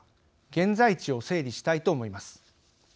現在地を整理したいと思います。